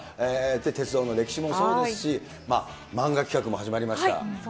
鉄道の歴史もそうですし、漫画企画も始まりました。